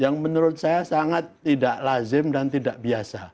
yang menurut saya sangat tidak lazim dan tidak biasa